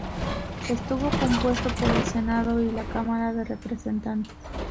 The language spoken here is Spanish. Estuvo compuesto por el Senado y la Cámara de Representantes.